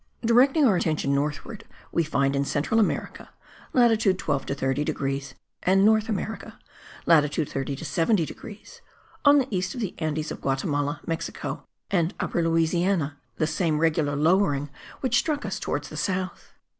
Directing our attention northward, we find in Central America (latitude 12 to 30 degrees) and North America (latitude 30 to 70 degrees), on the east of the Andes of Guatimala, Mexico and Upper Louisiana, the same regular lowering which struck us towards the south.